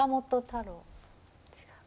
違う？